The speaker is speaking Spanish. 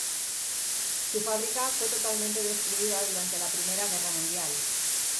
Su fábrica fue totalmente destruida durante la Primera Guerra Mundial.